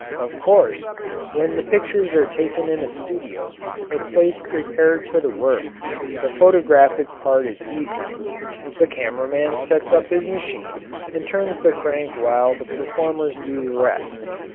Of course, when the pictures are taken in a studio or place prepared for the work the photographic part is easy the camera man sets up his machine and turns the crank while the performers do the rest.